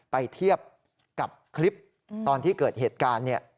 ไปเทียบกับคลิปตอนที่เกิดเหตุการณ์เนี่ย